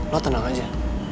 lo tenang aja